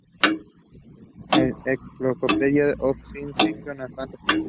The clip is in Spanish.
The Encyclopedia of Science Fiction and Fantasy.